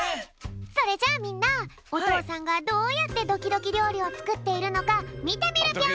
それじゃあみんなおとうさんがどうやってドキドキりょうりをつくっているのかみてみるぴょん。